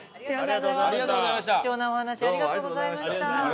貴重なお話ありがとうございました。